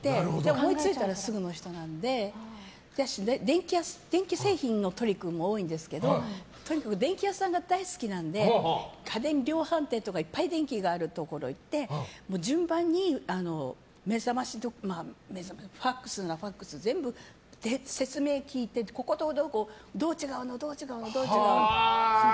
思いついたらすぐの人なので電気製品のトリックも多いんですけどとにかく電器屋さんが大好きなので家電量販店とか、いっぱい電気があるところに行って順番にＦＡＸなら、ＦＡＸ全部、説明を聞いてこことここ、どう違うの？って。